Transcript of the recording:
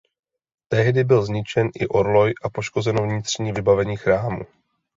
Tehdy byl zničen i orloj a poškozeno vnitřní vybavení chrámu.